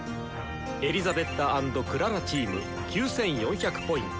エリザベッタ＆クララチーム９４００Ｐ。